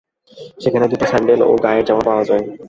সেখানে দুটি স্যান্ডেল ও গায়ের জামা পাওয়া যায়।